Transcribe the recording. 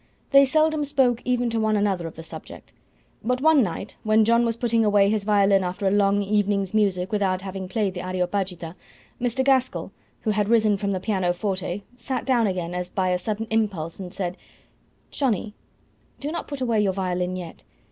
They seldom spoke even to one another of the subject; but one night, when John was putting away his violin after a long evening's music without having played the "Areopagita," Mr. Gaskell, who had risen from the pianoforte, sat down again as by a sudden impulse and said "Johnnie, do not put away your violin yet.